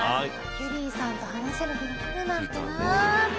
キュリーさんと話せる日が来るなんてなあ。